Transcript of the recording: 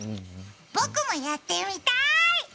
僕もやってみたーい。